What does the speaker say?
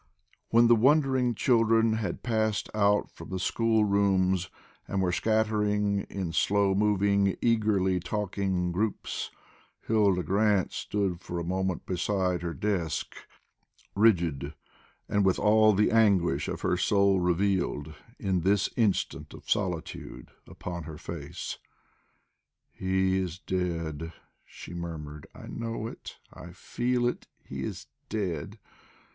When the wondering children had passed out from the school rooms, and were scattering, in slow moving, eagerly talking groups, Hilda Grant stood for a moment beside her desk, rigid and with all the anguish of her soul revealed, in this instant of solitude, upon her face. "He is dead!" she murmured. "I know it, I feel it! He is dead."